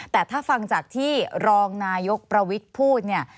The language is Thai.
แต่ถ้าฟังจากที่รองนายกประวิทย์พูดเนี่ย